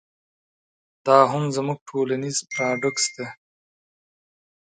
دا هم زموږ ټولنیز پراډوکس دی.